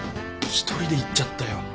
一人で行っちゃったよ。